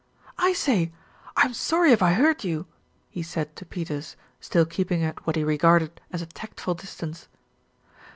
"I say, I'm sorry if I hurt you," he said to Peters, still keeping at what he regarded as a tactful distance.